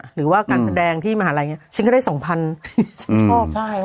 หรือว่าการแสดงที่มหาลัยฉันก็ได้๒๐๐๐บาทฉันชอบ